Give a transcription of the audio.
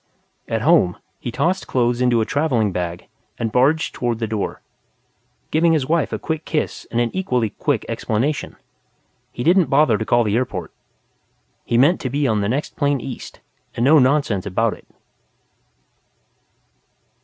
At home, he tossed clothes into a travelling bag and barged toward the door, giving his wife a quick kiss and an equally quick explanation. He didn't bother to call the airport. He meant to be on the next plane east, and no nonsense about it....